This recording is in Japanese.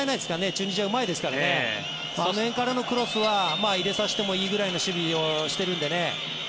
チュニジア、うまいですからその辺からのクロスは入れさせてもいいぐらいの守備をしているのでね。